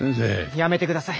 やめてください。